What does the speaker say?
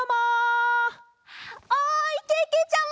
おいけけちゃま！